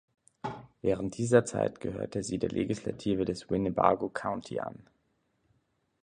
Während dieser Zeit gehörte sie der Legislative des Winnebago County an.